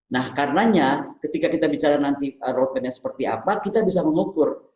nah karenanya ketika kita bicara nanti roadmapnya seperti apa kita bisa mengukur